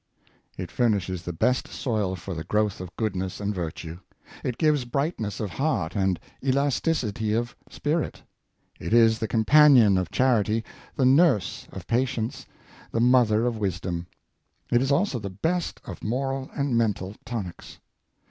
It furnishes the best soil for the growth of goodness and virtue. It gives brightness of heart and elasticity of spirit. It is the companion of charity, the nurse of patience, the mother of wisdom. It is also the best of moral and mental tonics.